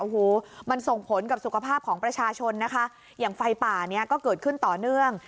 โอ้โหมันส่งผลกับสุขภาพของประชาชนนะคะอย่างไฟป่าเนี้ยก็เกิดขึ้นต่อเนื่อง